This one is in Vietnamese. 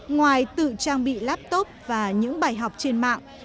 ngoài tự trang bị laptop và những bài học trên mạng